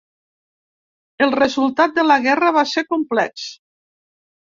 El resultat de la guerra va ser complex.